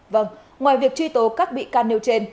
vâng ngoài việc truy tố các bị can nêu trên